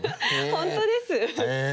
本当です。